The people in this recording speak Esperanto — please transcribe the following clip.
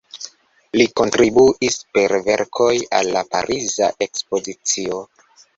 Li kontribuis per verkoj al la Pariza Ekspozicio.